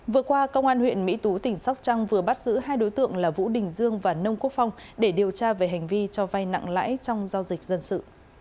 vừa qua công an huyện mỹ tú tỉnh sóc trăng vừa bắt giữ hai đối tượng là vũ đình dương và nông quốc phong để điều tra về hành vi cho vay nặng lãi trong giao dịch dân sự